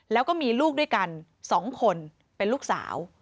แล้วก็มีลูกด้วยกัน๒คนเป็นลูกสาว